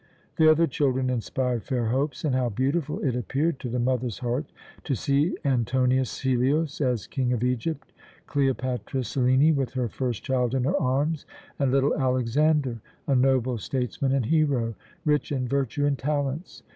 The other children inspired fair hopes, and how beautiful it appeared to the mother's heart to see Antonius Helios as King of Egypt; Cleopatra Selene with her first child in her arms; and little Alexander a noble statesman and hero, rich in virtue and talents!